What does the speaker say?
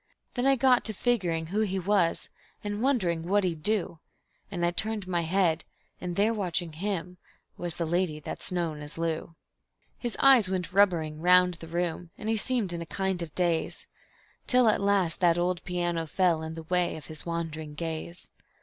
Then I got to figgering who he was, and wondering what he'd do, And I turned my head and there watching him was the lady that's known as Lou. His eyes went rubbering round the room, and he seemed in a kind of daze, Till at last that old piano fell in the way of his wandering gaze.